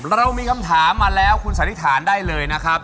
เรามีคำถามมาแล้วคุณสันนิษฐานได้เลยนะครับ